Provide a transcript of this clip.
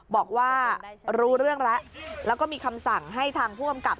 บอกว่ารู้เรื่องแล้วแล้วก็มีคำสั่งให้ทางผู้กำกับ